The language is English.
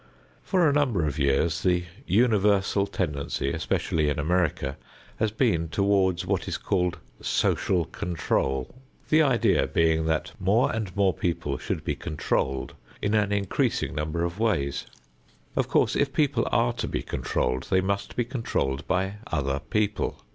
For a number of years the universal tendency, especially in America, has been toward what is called "Social Control", the idea being that more and more people should be controlled in an increasing number of ways. Of course, if people are to be controlled they must be controlled by other people.